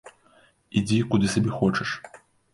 Ідзі, куды сабе хочаш.